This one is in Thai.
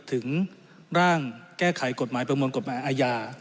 ถึงร่างแก้ไขกฎหมายประมวลกฎหมายอาญา